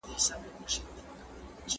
د حق خبره وکړئ که څه هم تریخه وي.